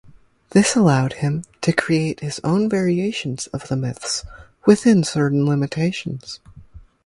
This allowed him to create his own variations of the myths within certain limitations.